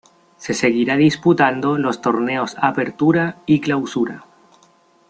Se seguirá disputando los torneos Apertura y Clausura.